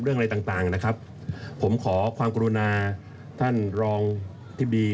อะไรต่างต่างนะครับผมขอความกรุณาท่านรองธิบดี